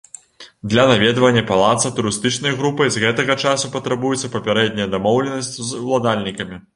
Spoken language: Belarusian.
Для наведвання палаца турыстычнай групай з гэтага часу патрабуецца папярэдняя дамоўленасць з уладальнікамі.